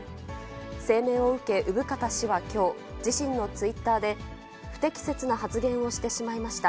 声明を受け、生方氏はきょう、自身のツイッターで、不適切な発言をしてしまいました。